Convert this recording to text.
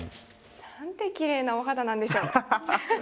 何てきれいなお肌なんでしょう